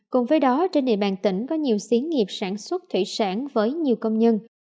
cùng với đó trên địa bàn tỉnh có nhiều xí nghiệp sản xuất thủy sản với nhiều công nhân